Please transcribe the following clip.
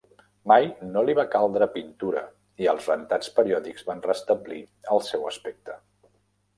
Mai no va li va caldre pintura i els rentats periòdics van restablir el seu aspecte.